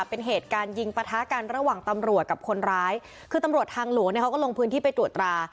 เป็นเหตุการณ์ยิงปะทะกันระหว่างตำรวจกับคนร้ายคือตำรวจทางหลวงเนี่ยเขาก็ลงพื้นที่ไปตรวจตรา